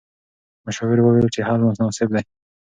مشاور وویل چې حل مناسب دی.